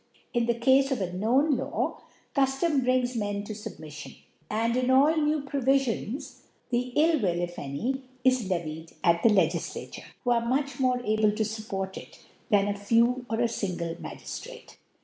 In ih^ Cafe of a fcnown Law, Cuftom brings Men to Submiflion ; and in all new Provifions, the Ill will, if any, is levelled at the LegiQa tare, who are much more able to fupport it than a few, or a fingle Magiftrate.